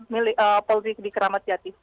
milik polri di keramat jati